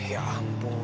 ya ampun jangan